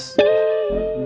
di pinggir jalan pak